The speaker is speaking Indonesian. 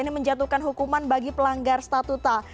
ini menjatuhkan hukuman bagi pelanggar statuta